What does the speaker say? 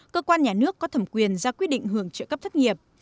cơ quan nhà nước có thẩm quyền ra quyết định hưởng trợ cấp thất nghiệp